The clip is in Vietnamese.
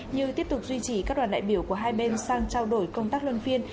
như tiếp tục duy trì các đoàn đại biểu của hai bên sang trao đổi công tác luân phiên